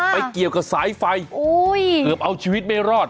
ไปเกี่ยวกับสายไฟเกือบเอาชีวิตไม่รอด